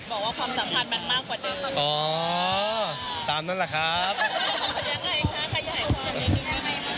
บอกว่าความสัมพันธ์มันมากกว่าเดิม